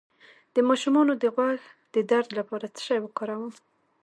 د ماشوم د غوږ د درد لپاره څه شی وکاروم؟